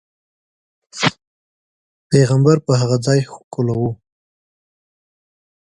پیغمبر به په هغه ځاې ښکلو.